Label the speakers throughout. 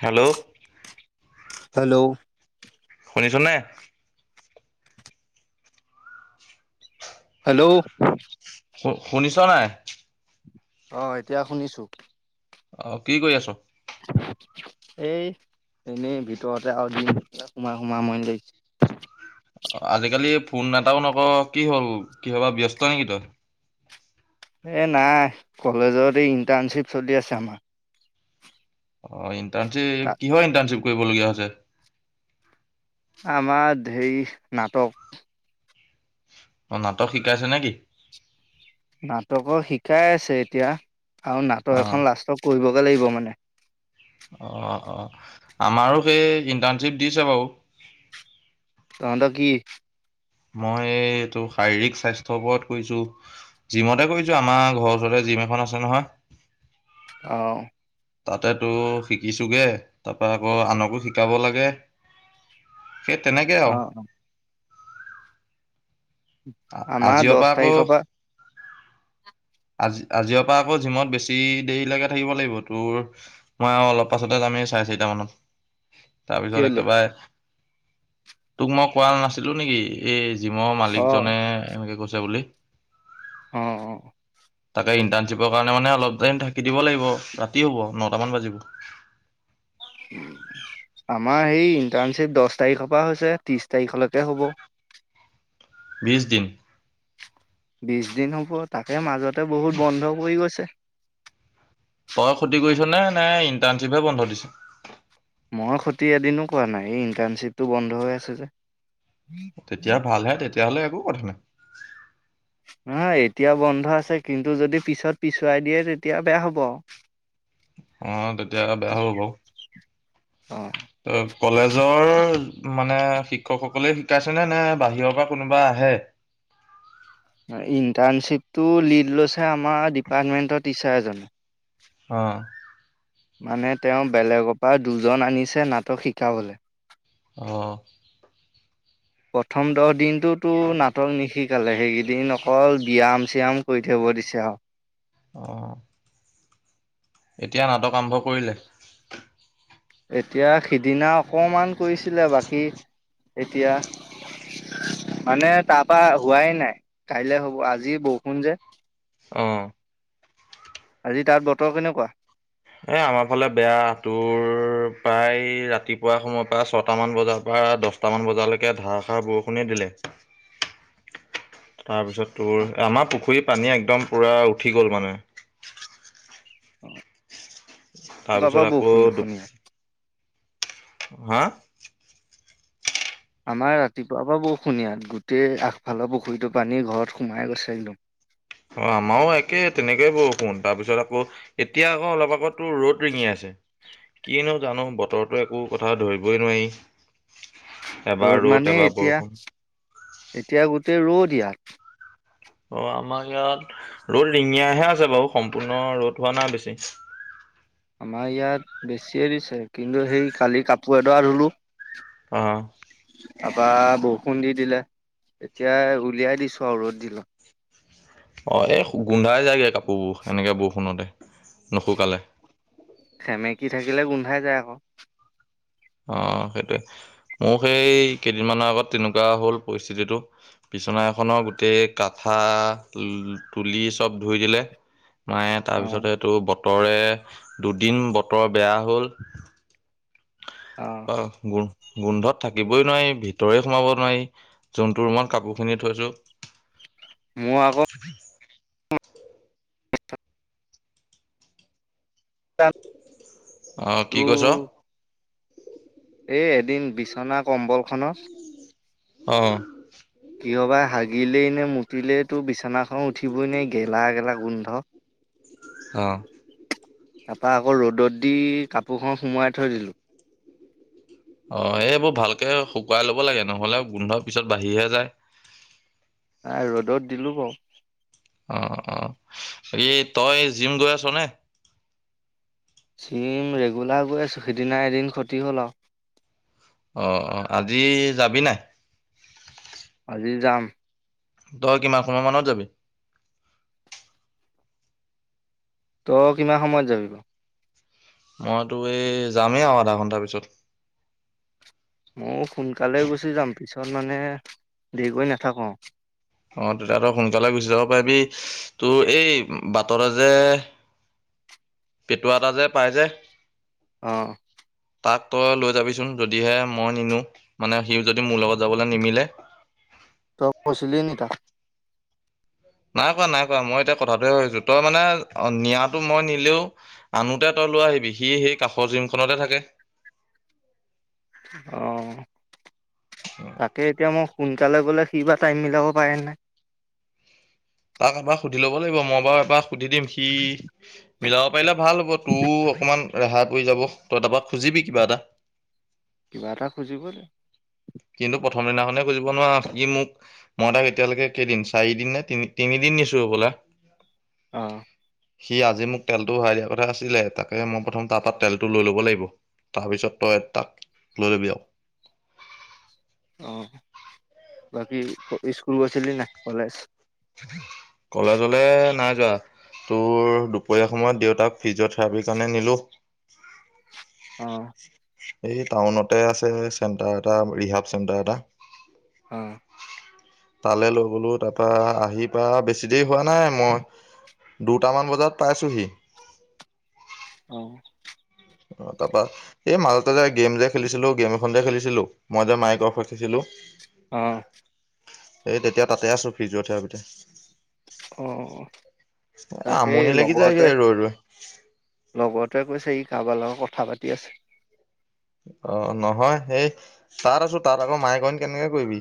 Speaker 1: Hello
Speaker 2: hello
Speaker 1: শুনিছ নাই? [inaudible]
Speaker 2: Hello
Speaker 1: শু শুনিছ নাই?
Speaker 2: অহ এতিয়া শুনিছো।
Speaker 1: অহ কি কৰি আছ?
Speaker 2: এই এনেই ভিতৰতে আৰু দিন সোমাই সোমাই আমনি লাগিছে।
Speaker 1: আজিকালি ফোন এটাও নকৰ, কি হ'ল কিহবাত ব্যস্ত নেকি তই?
Speaker 2: এই নাই কলেজত ইণ্টাৰ্ণশ্বিপ চলি আছে আমাৰ।
Speaker 1: অ ইন ণ্টাৰ্ণশ্বিপ
Speaker 2: তাত
Speaker 1: কিহৰ ইণ্টাৰ্ণশ্বিপ কৰিবলগীয়া হৈছে।
Speaker 2: আমাৰ ধেই নাটক।
Speaker 1: অহ নাটক শিকাইছে নেকি?
Speaker 2: নাটকৰ শিকাই আছে এতিয়া। আও নাটক
Speaker 1: অ'
Speaker 2: এখন লাষ্টত কৰিব। লাগিব মানে
Speaker 1: অ অ আমাৰো সেই ইণ্টাৰ্ণশ্বিপ দিছে বাও
Speaker 2: তহঁত কি?
Speaker 1: মই এইটো শাৰীৰিক স্বাস্থ্যৰ ওপৰত কৰিছো, জিমতে কৰিছো আমাৰ ঘৰৰ ওচৰতে জিম এখন আছে নহয়।
Speaker 2: অহ।
Speaker 1: তাতেতো শিকিছোগে তাপা আকৌ আনকো শিকাব লাগে। সেই তেনেকে আও
Speaker 2: অ আমাৰ
Speaker 1: আজিৰ পৰা
Speaker 2: দচ
Speaker 1: আকৌ
Speaker 2: তাৰিখৰ পা
Speaker 1: আজি আজিয় পৰা আকৌ জিমত বেছি দেৰিলৈকে থাকিব লাগিব তোৰ মই আৰু অলপ পাছতে যামেই চাৰে ছয়টা মানত তাৰপিছত
Speaker 2: কেলে
Speaker 1: একে বাৰে তোক মই কোৱা নাছিলো নেকি এই জিমৰ
Speaker 2: অ
Speaker 1: মালিক জনে এনেকে কৈ ছে বুলি
Speaker 2: অহ অহ
Speaker 1: তাতে ইণ্টাৰ্ণশ্বিপৰ কাৰণে মানে অলপ টাইম থাকি দিব লাগিব ৰাতি হ'ব নটা বাজিব
Speaker 2: আমাৰ সেই ইণ্টাৰ্ণশ্বিপ দহ তাৰিখৰ পা হৈছে ত্ৰিশ তাৰিখলৈকে হ'ব
Speaker 1: বিশ দিন।
Speaker 2: বিশ দিন হ'ব তাকে মাজত ততে বহুত বন্ধ পৰি গৈছে।
Speaker 1: তই ক্ষতি কৰিছ নে, নে ইণ্টাৰ্ণশ্বিপহে বন্ধ দিছে?
Speaker 2: মই খতি এদিনো কৰা নাই, এই ইণ্টাৰ্ণশ্বিপটো বন্ধ হৈ আছে যে।
Speaker 1: তেতিয়া ভালহে তেতিয়া তেতিয়াহ'লে একো কথা নাই।
Speaker 2: নহয়, এতিয়া বন্ধ আছে, কিন্তু যদি পিছত পিছুৱাই দিয়ে তেতিয়া বেয়া হ'ব আৰু।
Speaker 1: অ', তেতিয়া বেয়া হ'ব বাৰু।
Speaker 2: অ'
Speaker 1: অ', কলেজৰ মানে শিক্ষকসকলেই শিকাইছে নে, নে বাহিৰৰ পৰা কোনোবা আহে?
Speaker 2: ইণ্টাৰ্ণশ্বিপটো লিড লৈছে আমাৰ ডিপাৰ্টমেন্টৰ টিচাৰ এজনে।
Speaker 1: অ'।
Speaker 2: মানে তেওঁ বেলেগৰ পৰা দুজন আনিছে নাটক শিকাবলৈ।
Speaker 1: অ'।
Speaker 2: প্ৰথম দহ দিনটো তোৰ নাটক নিশি এইকেইদিন অকল ব্যায়াম চ্যায়াম কৰি থাকিব দিছে আৰু।
Speaker 1: অ'। এতিয়া নাটক আৰম্ভ কৰিলে।
Speaker 2: এতিয়া সিদিনা অকমান কৰিছিলে, বাকী এতিয়া মানে তাৰপৰা হোৱাই নাই, কাইলে হ'ব, আজি বৰষুণ যে।
Speaker 1: অ'।
Speaker 2: আজি তাত বতৰ কেনেকুৱা?
Speaker 1: এ আমাৰ ফালে বেয়া, তোৰ প্ৰায় ৰাতিপুৱা সময়ৰ পৰা ছয়টামান বজাৰ পৰা দছটামান বজালৈকে ধাৰাষাৰ বৰষুণে দিলে। তোৰ, আমাৰ পুখুৰীত পানী একদম পুৰা উঠি গ'ল মানে
Speaker 2: অহ'।
Speaker 1: তাৰপিছত আকৌ দু হা?
Speaker 2: আমাৰ ৰাতিপুৱাৰ পৰা বৰষুন ইয়াত। গোটেই আগফালৰ পুখুৰীটোৰ পানী ঘৰত সোমাই গৈছে একদম
Speaker 1: অহ, আমাৰো একে তেনেকয়ে বৰষুণ। তাৰপিছত আকৌ, এতিয়া আকৌ অলপ আগত টোৰ, ৰ'দ ৰিঙিয়াইছে। কিনো জানো, বতৰতোৰ একো কথা ধৰিবই নোৱাৰি এবাৰ
Speaker 2: ৰ'দ মানে
Speaker 1: এবাৰ
Speaker 2: এতিয়া,
Speaker 1: বৰষুণ।
Speaker 2: এতিয়া গোটেই ৰ' দ ইয়াত
Speaker 1: অহ, আমাৰ ইয়াত ৰ'দ ৰিঙিয়াহে আছে বাৰু সম্পূৰ্ণ ৰ'দ হোৱা নাই বেছি।
Speaker 2: আমাৰ ইয়াত বেছিয়ে দিছে। কিন্তু সেই কালি কাপোৰ এডৰা ধুলো
Speaker 1: আহ'।
Speaker 2: তাৰপৰা বৰষুণ দি দিলে। এতিয়া উলিয়াই দিছো আৰু ৰ'দ দিলত।
Speaker 1: অ, এই গোন্ধাই যায়গে কাপোৰবোৰ এনেকে বৰষুণতে, নুশুকালে।
Speaker 2: সমেকী থাকিলে গোন্ধাই যায় আকৌ।
Speaker 1: অ, সেইটোৱে। মোৰ সেই কেইদিনমানৰ আগত তেনেকুৱা হল পৰিস্থিতিটো। বিছনা এখনৰ গোটেই কাঠা, তুলি চব ধুই দিলে মায়ে,
Speaker 2: অ',
Speaker 1: তাৰপিছতে টো ব বতৰে দুদিন বতৰ বেয়া হ'ল অ', গুণ গোন্ধত থাকিবই নোৱাৰি ভিতৰে সোমাব নোৱাৰি যোনটো ৰুমত কাপোৰখিনি থৈছো।
Speaker 2: মই আকৌ
Speaker 1: অ, কি কৈছ?
Speaker 2: তোৰ এ-এদিন বিচনাত কম্বল খনচ
Speaker 1: অ',
Speaker 2: কিয়বা হাগিলেই নে মুতিলেতো বিছনাখন উঠিবই নে গেলা-গেলা গোন্ধ।
Speaker 1: অ',
Speaker 2: তাৰপা আকৌ ৰ'দত দি কাপোৰখন সুমোৱাই থৈ দিলো।
Speaker 1: অ, এ -এইবোৰ ভালকে শুকুৱাই লব লাগে নহলে গোন্ধ পিছত বাঢ়িহে যায়।
Speaker 2: নাই ৰ'দত দিলো বাৰো।
Speaker 1: অ', অ', এই তই জিম গৈ আছ নে?
Speaker 2: জিম ৰেগুলাৰ গৈ আছো সিদিনা এদিন ক্ষতি হ'ল আৰু।
Speaker 1: অ', অ', আজি যাবি নাই?
Speaker 2: আজি যাম।
Speaker 1: তই কিমান সময় মানত যাবি?
Speaker 2: তইয় কিমান সময়ত যাবি গ?
Speaker 1: মইতো এই যামেই আৰু আধা ঘন্টা পিছত।
Speaker 2: মোয়ো সোনকালে গুচি যাম পিছত মানে দেৰিকৈ নাথাকো।
Speaker 1: অ, তই তাৰ পৰা সোনকালে গুচি যাব পাৰিবি তোৰ এই বাটৰে যে পেটোৱা এটা যে পাই যে
Speaker 2: অ',
Speaker 1: তাক তই লৈ যাবিচোন, যদিহে মই নিনো। মানে সিও যদি মোৰ লগত যাবলৈ নিমিলে
Speaker 2: তই কৈছিলি নি তাক?
Speaker 1: নাই কোৱা, নাই কোৱা। মই এতিয়া কথাটোহে ভাবিছোঁ। তই মানে নিয়াটো মই নিলেও, আনোঁতে তই লৈ আহিবি। সি সেই কাষৰ জিমখনতে থাকে।
Speaker 2: অ'। তাকে, এতিয়া মই সোন কালে গ'লে, সি বা টাইম মিলাব পাৰেন নাই।
Speaker 1: তাক এবাৰ সুধি ল'ব লাগিব। মই বাৰু এবাৰ সুধি দিম, সি মিলাব পাৰিলে ভাল হ'ব। তোৰ অকমান ৰেহাই পৰি যাব। তই তাৰপৰা খুজিবি কিবা এটা।
Speaker 2: কিবা এটা খুজিবলে।
Speaker 1: কিন্তু প্ৰথম দিনাখনে খুজিব নোৱাৰ। ই মোক- মই তাক এতিয়ালৈকে কেইদিন, চাৰিদিন নে তিন তিনিদিন নিছো হবলা।
Speaker 2: অ'।
Speaker 1: সি আজি মোক তেলটো ভৰাই দিয়াৰ কথা আছিলে। তাকেই মই প্ৰথম তাৰ তাত তেলটো লৈ লব লাগিব। তাৰপিছত তই তাক লৈ ল'বি আও।
Speaker 2: অ'। বাকি ইস্কুল গৈছিলিন নাই কলেজ?
Speaker 1: কলেজলে নাই যোৱা। তোৰ দুপৰীয়া সময়ত দেউতাক ফিজিঅ' থেৰাপিৰ কাৰণে নিলোঁ।
Speaker 2: অ
Speaker 1: এই টাউনতে আছে চেণ্টাৰ এটা- ৰিহাব চেণ্টাৰ এটা।
Speaker 2: অ'।
Speaker 1: তালৈ লৈ গলোঁ। তাৰপা আহি পাই বেছি দেৰি হোৱা নাই, মই দুটামান বজাত পাইছোঁহি।
Speaker 2: অ'।
Speaker 1: তাৰপা এই মাজতে যে গেম যে খেলিছিলোঁ, গেম এখন যে খেলিছিলোঁ, মই যে মাইক অফ ৰাখিছিলোঁ।
Speaker 2: অ'
Speaker 1: এই তেতিয়া তাতে আছো ফিজিঅ থেৰাপিতে।
Speaker 2: অ, তাকেই
Speaker 1: আমনি লাগি যায়গে
Speaker 2: লগতে
Speaker 1: ৰৈ ৰৈ
Speaker 2: লগত তই কৈছে ই কাৰোবাৰ লগত কথা পাতি আছে।
Speaker 1: অ' নহয় সেই তাত আছো তাত আকৌ মায়ে কয় কেনেকৈ কৰিবি।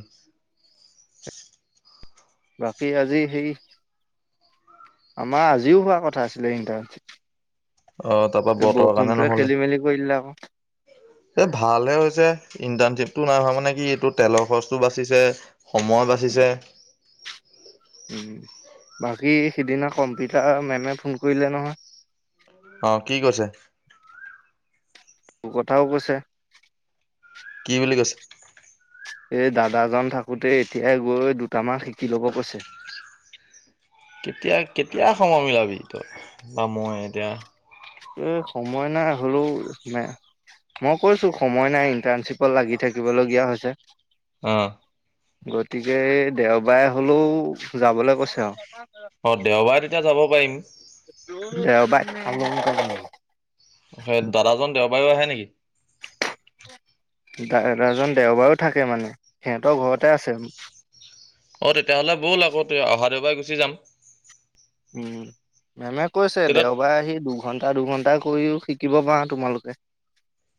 Speaker 2: বাকী আজি সেই আমাৰ আজিও হোৱা কথা আছিলে ইণ্টাৰনশ্বিপ।
Speaker 1: অ তাৰ পৰা বতৰৰ কাৰণে নহ'লে।
Speaker 2: মেলি কৰি দিলে আকৌ।
Speaker 1: এই ভালহে হৈছে ইন্টাৰন টো নাই হোৱা মানে কি এইটো তেলৰ খৰচটো বাচিছে, সময় বাচিছে।
Speaker 2: উম, বাকী সিদিনা কম্পিটাৰ মেমে ফোন কৰিলে নহয়।
Speaker 1: অ' কি কৈছে?
Speaker 2: তোৰ কথাও কৈছে।
Speaker 1: কি বুলি কৈছে?
Speaker 2: এই দাদাজন থাকোতে এতিয়াই গৈ দুটামাহ শিক কি ল'ব কৈছে।
Speaker 1: কেতিয়া কেতিয়া সময় মিলাবি তই বা মই এতিয়া
Speaker 2: এ সময় নাই হলেও মই কৈছো সময় নাই ইণ্টাৰ্ণশ্বিপত লাগি থাকিবলগীয়া হৈছে।
Speaker 1: অহ।
Speaker 2: গতিকে, দেওবাৰে হ'লেও যাবলৈ কৈছে আৰু।
Speaker 1: অ দেওবাৰে তেতিয়া যাব পাৰিম।
Speaker 2: দেওবাৰে
Speaker 1: বায় আহে নেকি?
Speaker 2: দাদাজন দেওবাৰো থাকে মানে সিহঁতৰ ঘৰতে আছে।
Speaker 1: অ তেতিয়াহলে বল আকৌ অহা দেওবাই গৈ গুচি যাম।
Speaker 2: উম। মেমে কৈছে
Speaker 1: তেতিয়া
Speaker 2: দেওবাৰ আহি দু এঘন্টা দুঘণ্টা কৰিও শিকিব পাৰা তোমালোকে।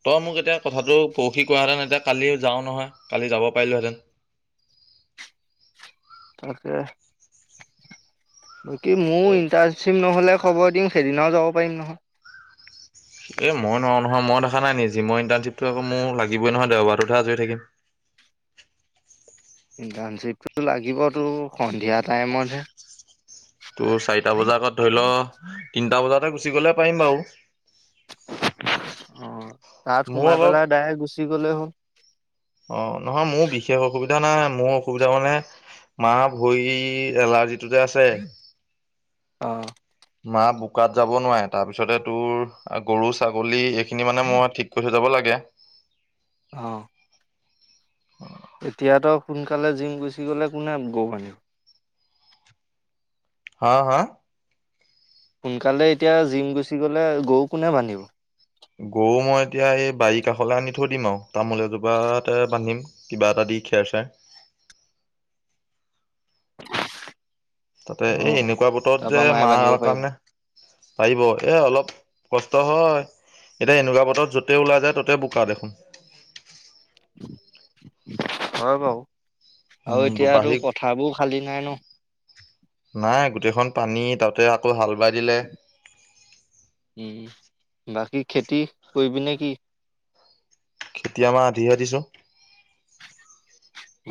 Speaker 1: তই মোক এতিয়া কথাটো পৰখি কাহেঁতেন এতিয়া কালি যাও নহয় কালি যাব পাৰিলোহেঁতেন।
Speaker 2: তাকে। বাকী মোৰো ইণ্টাৰ্ণ চিপ নহ'লে হব দিয়ক, সেইদিনাও যাব পাৰিম নহয়।
Speaker 1: এ মই নোৱাৰো নহয় মই দেখা নাই নিজি মই ইণ্টাৰ্ণশ্বিপটো আকৌ মোৰ লাগিবই নহয় দেওবাৰতহে আজৰি থাকিম।
Speaker 2: ইণ্টাৰ্ণশ্বিপটো লাগিবতো সন্ধিয়া টাইমতহে
Speaker 1: তোৰ চাৰিটা বজাৰ আগত ধৰি ল তিনটা বজাতে গুচি গলে পাৰিম বাউ।
Speaker 2: অ। তাত
Speaker 1: মোৰ
Speaker 2: সোমাই
Speaker 1: অলপ
Speaker 2: পেলাই ডাইৰেক্ট গুচি গ'লে হল।
Speaker 1: অ নহয় মোৰ বিশেষ অসুবিধা নাই মোৰ অসুবিধা মানে মা ভৰি এলাৰ্জিটো যে আছে
Speaker 2: অঁ।
Speaker 1: মা বোকাত যাব নোৱাৰে, তাৰপিছতে তোৰ গৰু ছাগলী এইখিনি মানে মই ঠিক কৰি থৈ যাব লাগে।
Speaker 2: অহ। এতিয়া তই সোনকালে জিম গুচি গ'লে কোনে গৰু বান্ধিব?
Speaker 1: হা হা?
Speaker 2: সোনকালে এতিয়া জিম গুচি গলে গৰু কোনে বান্ধিব।
Speaker 1: গৰু মই এতিয়া এই বাৰী কাষলৈ আনি থৈ দিম আৰু তামোল এজোপাতে বান্ধিম কিবা এটা দি খেৰ চেৰ। তাতে এই
Speaker 2: অ', অ'।
Speaker 1: এনেকুৱা বতৰত যে
Speaker 2: তাৰপা মায়ে বান্ধিব
Speaker 1: মাৰ
Speaker 2: পাৰিব
Speaker 1: কাৰণে পাৰিব এ অলপ কষ্ট হয় এতিয়া এনেকুৱা বতৰত য'তে ওলাই যায় ত'তে বোকা দেখোন।
Speaker 2: হয়। [unintelligible] বাওঁ। আৰু এতিয়াতো
Speaker 1: বাঢ়ি
Speaker 2: পথাৰবোৰ খালী নাই ন।
Speaker 1: নাই গোটেইখন পানী তাতে আকৌ হাল বাজিলে
Speaker 2: উম, বাকী খেতি কৰিবি নে কি।
Speaker 1: কেতিয় মা আধিহে দিছো।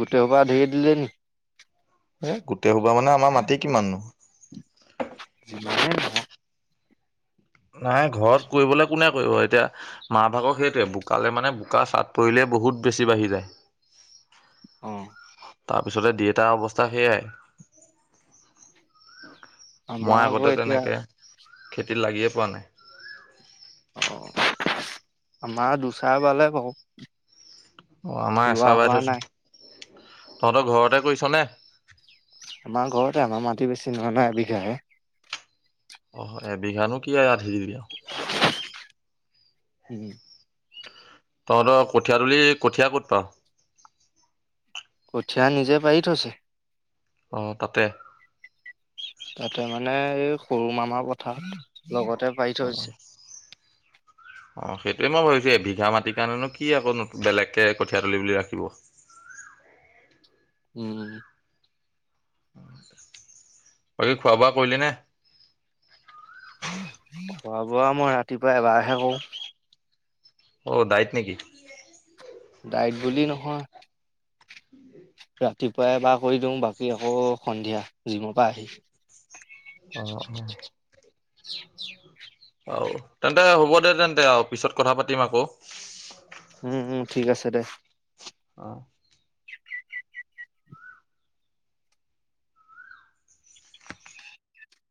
Speaker 2: গোটেই সবা ধেৰি দিলে নি।
Speaker 1: এ গোটেই হব। ক মানে আমাৰ মাটি কিমাননো।
Speaker 2: [unintelligible]
Speaker 1: নাই ঘৰত কৰিবলৈ কোনে কৰিব এতিয়া মা ভাগক সেইটোৱে বোকালে মানে বোকা চাট পৰিলে বহুত বেছি বাঢ়ি যায়।
Speaker 2: অহ।
Speaker 1: তাৰ পিছতে দি এটা অৱস্থা সেইয়াই। মই
Speaker 2: আমাৰ আকৌ
Speaker 1: আগতে
Speaker 2: এতিয়া
Speaker 1: তেনেকে খেতিত লাগিয়ে পোৱা নাই।
Speaker 2: অ আমাৰ দুচাৰবালে কওঁ।
Speaker 1: অ আমাৰ এচাবাই থৈছো। তহঁতৰ ঘৰতে কৰিছনে।
Speaker 2: আমাৰ ঘৰতে আমাৰ মাটি বেছি নহ নাই বিঘাই।
Speaker 1: অ এবিঘানো কি আধি দিবি [unintelligible]
Speaker 2: উম।
Speaker 1: তহঁতৰ কঠিয়া তলি কঠীয়া ক'ত পাওঁ।
Speaker 2: কঠীয়া নিজে পাৰি থৈছে।
Speaker 1: আহ, তাতে।
Speaker 2: তাতে মানে এই সৰু মামা পথাৰ লগত কঠীয়া পাৰি থৈছে।
Speaker 1: অ, সেইটোৱয়ে মই ভাবিছো এ বিঘা মাটিৰ কাৰণেনো কি আকৌ বেলেগকে কঠিয়াতলি বুলি ৰাখিব।
Speaker 2: উম।
Speaker 1: কৰি খোৱা বোৱা কৰিলি নে? [unintelligible]
Speaker 2: খোৱা বোৱা মই ৰাতিপুৱা এবাৰহে কৰোঁ।
Speaker 1: অ, দাইত নেকি
Speaker 2: ডাইট বুলি নহয়।
Speaker 1: [inaudible]
Speaker 2: ৰাতিপুৱাই এবাৰ কৰি দিওঁ, বাকী আকৌ সন্ধিয়া, জিমৰ পৰা আহি।
Speaker 1: অ', অ'।
Speaker 2: [inaudible]
Speaker 1: আহ, তেন্তে হ'ব দে তেন্তে আৰু, পিছত কথা পাতিম আকৌ।
Speaker 2: উম, ঠিক আছে দে।
Speaker 1: অ'।